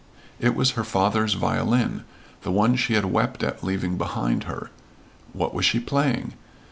It was her father's violin, the one she had wept at leaving behind her. What was she playing?